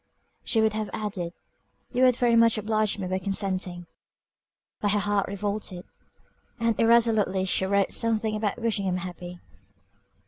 She would have added, "you would very much oblige me by consenting;" but her heart revolted and irresolutely she wrote something about wishing him happy.